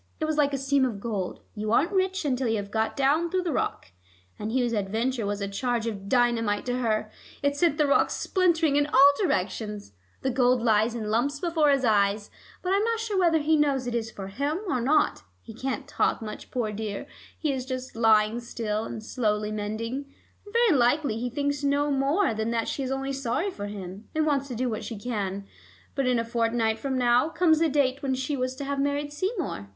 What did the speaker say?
It was like a seam of gold: you aren't rich until you have got down through the rock. And Hugh's adventure was a charge of dynamite to her; it sent the rock splintering in all directions. The gold lies in lumps before his eyes, but I am not sure whether he knows it is for him or not. He can't talk much, poor dear; he is just lying still, and slowly mending, and very likely he thinks no more than that she is only sorry for him, and wants to do what she can. But in a fortnight from now comes the date when she was to have married Seymour.